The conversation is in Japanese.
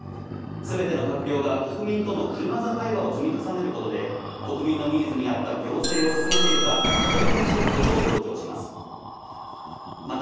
すべての閣僚が国民との車座対話を積み重ねることで国民のニーズに合った行政を進めているか点検していくことを強調します。